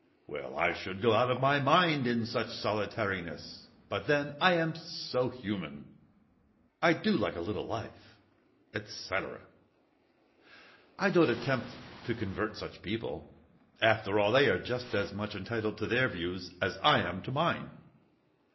Well, I should go out of my mind in such solitariness! But then, I am so human; I do like a little life," etc. I don't attempt to convert such people. After all, they are just as much entitled to their views as I am to mine.